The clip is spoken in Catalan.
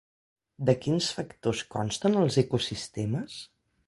De quins factors consten els ecosistemes?